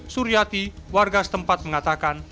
suriati warga setempat mengatakan